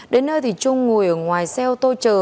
đến nơi thì trung ngồi ở ngoài xe ô tô chờ